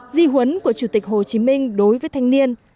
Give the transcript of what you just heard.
di huấn của chủ tịch hồ chí minh đối với thanh niên